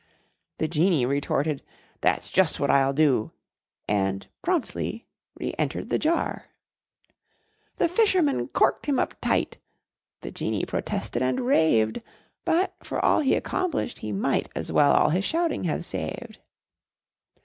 The genie retorted: "That's just what I'll do!" And promptly reëntered the jar. The fisherman corked him up tight: The genie protested and raved, But for all he accomplished, he might As well all his shouting have saved.